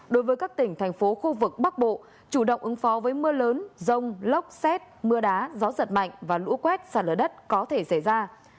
đối với các tỉnh thành phố khu vực bắc bộ chủ động ứng phó với mưa lớn rông lốc xét mưa đá gió giật mạnh và lũ quét sạt lở đất có thể xảy ra